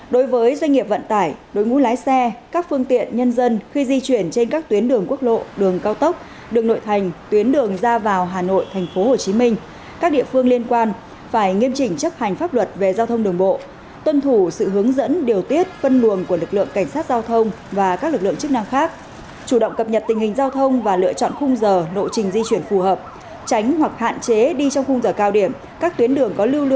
đối với doanh nghiệp vận tải đối mũ lái xe các phương tiện nhân dân khi di chuyển trên các tuyến đường quốc lộ đường cao tốc đường nội thành tuyến đường ra vào hà nội tp hcm các địa phương liên quan phải nghiêm chỉnh chấp hành pháp luật về giao thông đường bộ tuân thủ sự hướng dẫn điều tiết phân luồng của lực lượng cảnh sát giao thông và các lực lượng chức năng khác chủ động cập nhật tình hình giao thông và lựa chọn khung giờ nội trình di chuyển phù hợp tránh hoặc hạn chế đi trong khung giờ cao điểm các tuyến đường có lưu l